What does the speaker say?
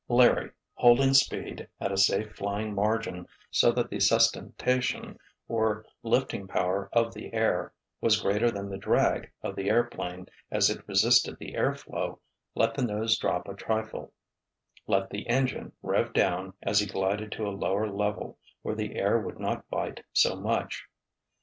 Larry, holding speed at a safe flying margin so that the sustentation, or lifting power of the air, was greater than the drag of the airplane as it resisted the airflow, let the nose drop a trifle, let the engine rev down as he glided to a lower level where the air would not bite so much.